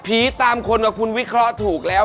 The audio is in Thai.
ตามคนว่าคุณวิเคราะห์ถูกแล้ว